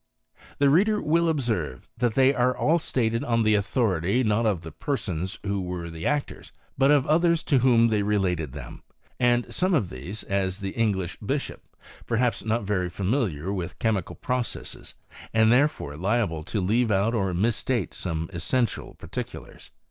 The reader will observe, that they are all stated on the authority, not of the persons who were the actors, but of others to whom they related them ; and some of these, as the English bishop, perhaps not very familiar with chemical processes, and therefore liable to leave out or mistate some essential particulars.